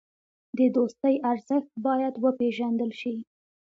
د دوستۍ ارزښت باید وپېژندل شي.